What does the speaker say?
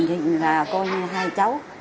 mình là con hai cháu